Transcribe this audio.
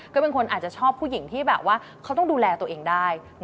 ก็เป็นคนอาจจะชอบผู้หญิงที่แบบว่าเขาต้องดูแลตัวเองได้